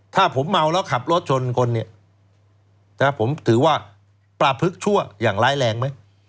ถ้าผมเมาแล้วขับรถชนคนเนี่ยผมถือว่าประพฤกษั่วอย่างร้ายแรงไหม